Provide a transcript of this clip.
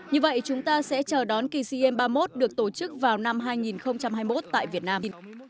như vậy chúng ta sẽ chờ đón kỳ sea games ba mươi một được tổ chức vào năm hai nghìn hai mươi một tại việt nam